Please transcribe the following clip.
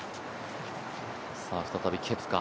再びケプカ。